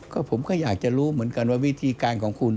ก็ผมก็อยากจะรู้เหมือนกันว่าวิธีการของคุณ